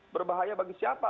berbahaya bagi siapa